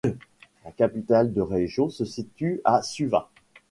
La capitale de région se situe à Suva.